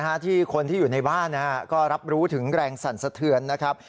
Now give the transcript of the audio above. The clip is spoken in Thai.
ที่คนที่อยู่ในบ้านนะฮะก็รับรู้ถึงแรงสั่นสะเทือนนะครับ